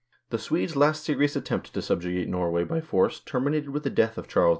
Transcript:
The Swedes' last serious attempt to subjugate Norway by force terminated with the death of Charles XII.